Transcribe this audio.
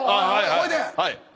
ほいで？